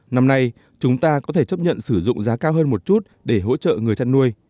năm nay chúng ta có thể chấp nhận sử dụng giá cao hơn một chút để hỗ trợ người chăn nuôi